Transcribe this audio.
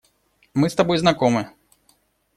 Мы с тобой знакомы.